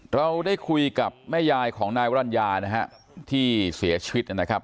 เราได้คุยกับแม่ยายของนายวรรณญานะฮะที่เสียชีวิตนะครับ